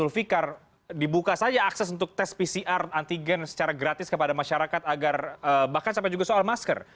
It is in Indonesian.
ini juga disampaikan oleh pak sulvikar dibuka saja akses untuk tes pcr antigen secara gratis kepada masyarakat agar bahkan sampai juga soal masker